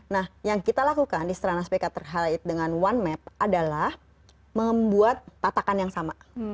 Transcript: nah yang kita lakukan di serana spk terkait dengan one map adalah membuat tatakan yang sama